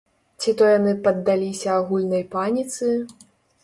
Ці то яны паддаліся агульнай паніцы?